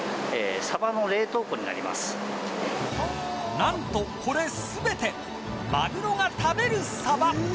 何とこれ全てマグロが食べるサバ。